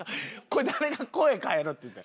誰が声変えろって言った？